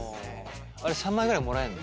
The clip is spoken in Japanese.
あれ３枚ぐらいもらえんの？